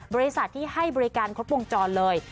บริษัทที่ให้บริการครบวงจรเลย